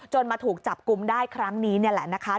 จนมาถูกจับกุมได้ครั้งนี้แหละนะคะ